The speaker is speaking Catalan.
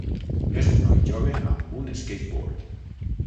És un noi jove amb un skateboard